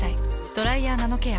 「ドライヤーナノケア」。